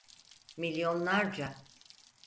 Milyonlarca.